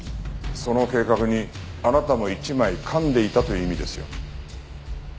その計画にあなたも一枚かんでいたという意味ですよ。